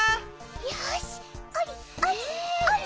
よしおりおりおり。